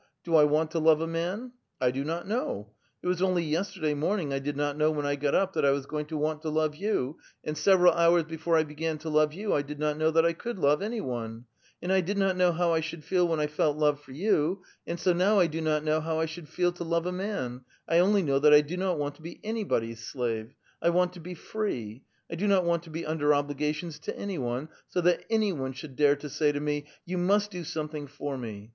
Do I want to love a man ? I do not know ! It was only yesterday morning I did not know when I got up that I was going to want to love you ; and several hours before I began to love vou 1 did not know that I could love anv one ; and I did not know how I should feel when 1 felt love for you ; and so now I do not know how I should feel to love a man ; I only know that I do not want to be anvbodv's slave ! I want to be free ! I do not want to be under obligations to any one, so that any one should dare to say to me, ' You must do something for me.'